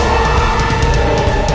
desa sena itu